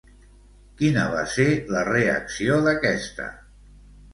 Quina va ser la reacció d'aquesta?